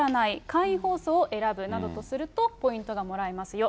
簡易包装を選ぶなどをするとポイントがもらえますよ。